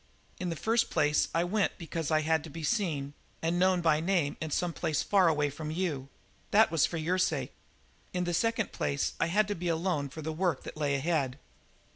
"In the first place I went because I had to be seen and known by name in some place far away from you. That was for your sake. In the second place I had to be alone for the work that lay ahead."